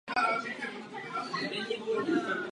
O životě sochaře není dostatek informací.